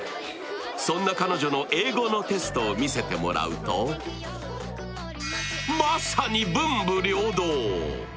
そんな彼女の英語のテストを見せてもらうとまさに文武両道。